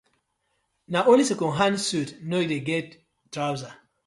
Na only second hand suit no dey get trouser.